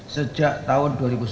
sejak tahun dua ribu sepuluh